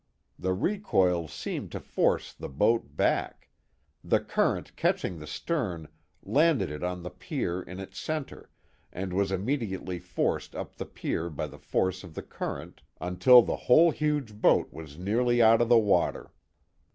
The recoil seemed to force the boat back; the current catching the stern landed it on the pier in its centre, and was immediately forced up the pier by the force of the current, until the whole huge boat was nearly out of the water.